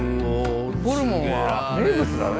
ホルモンは名物だね。